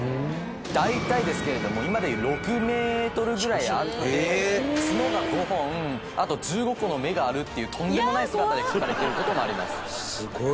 大体ですけれども今で言うツノが５本あと１５個の目があるっていうとんでもない姿で描かれてる事もあります。すごい！